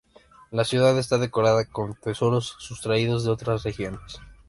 La ciudad está decorada con tesoros sustraídos de otras regiones.